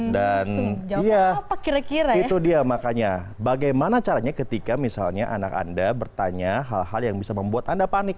dan ya itu dia makanya bagaimana caranya ketika misalnya anak anda bertanya hal hal yang bisa membuat anda panik